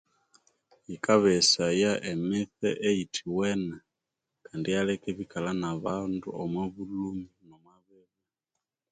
Yikabeghesaya emitse eyitiwene kandi eyaleka ebikala nabandu omwabulhumi